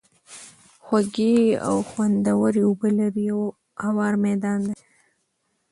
خوږې او خوندوَري اوبه لري، او هوار ميدان دی